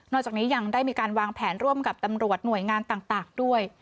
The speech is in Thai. จากนี้ยังได้มีการวางแผนร่วมกับตำรวจหน่วยงานต่างด้วย